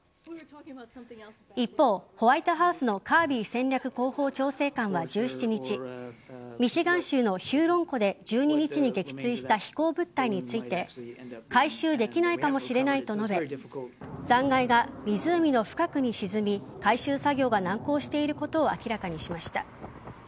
一方、ホワイトハウスのカービー戦略広報調整官は１７日ミシガン州のヒューロン湖で１２日に撃墜した飛行物体について回収できないかもしれないと述べ残骸が湖の深くに沈み回収作業が難航していることを明らかにしました。